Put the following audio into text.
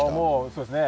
そうですね。